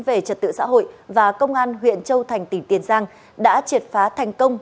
về trật tự xã hội và công an huyện châu thành tỉnh tiền giang đã triệt phá thành công